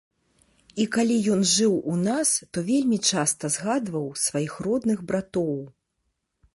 І калі ён жыў у нас, то вельмі часта згадваў сваіх родных братоў.